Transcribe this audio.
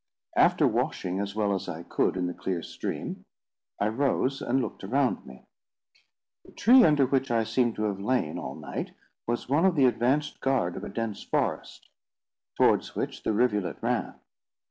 After washing as well as I could in the clear stream, I rose and looked around me. The tree under which I seemed to have lain all night was one of the advanced guard of a dense forest, towards which the rivulet ran.